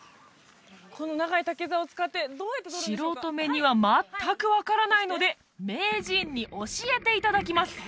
この長い竹ざおを使って素人目には全く分からないので名人に教えていただきます